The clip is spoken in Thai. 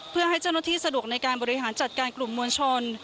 เพื่อให้เจ้าหน้าที่สะดวกในการบริหารจัดการกลุ่มมวลชน